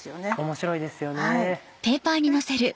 面白いですよね。